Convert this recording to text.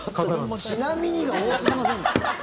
ちょっとちなみにが多すぎませんか？